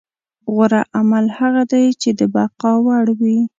غوره عمل هغه دی چې د بقا وړ وي.